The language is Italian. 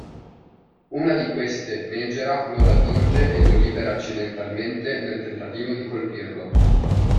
Una di queste, Megera, lo raggiunge e lo libera accidentalmente nel tentativo di colpirlo.